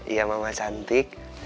iya mama cantik